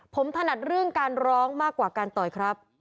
ผมถนัดเรื่องการร้องมากกว่าการต่อยครับ